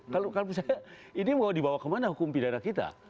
kalau misalnya ini mau dibawa kemana hukum pidana kita